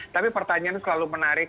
tapi pertanyaan selalu menarik